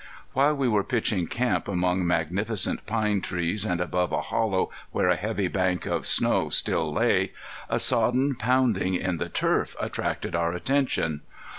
While we were pitching camp among magnificent pine trees, and above a hollow where a heavy bank of snow still lay, a sodden pounding in the turf attracted our attention.